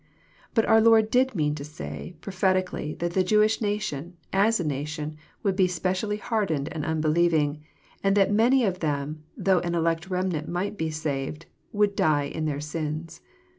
But our Lord did mean to say prophetically that the Jewish na tion, as a nation, would be specially hardened and unbelieving, and that many of them, though an elect remnant might be saved, would " die in their sins."